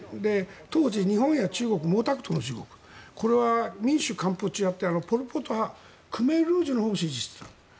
当時、日本や中国中国は毛沢東でこれは民主カンボジアポル・ポト派クメール・ルージュのほうを指示していた。